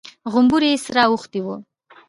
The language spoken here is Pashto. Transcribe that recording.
غومبري يې سره اوښتي وو.